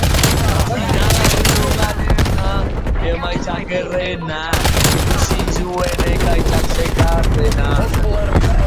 Ospitalera iritsi zenean eta homizidioa egotzi zioten medikuari.